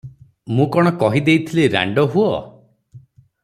ମୁଁ କଣ କହି ଦେଇଥିଲି, ରାଣ୍ଡ ହୁଅ?